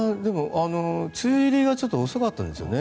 梅雨入りがちょっと遅かったですよね。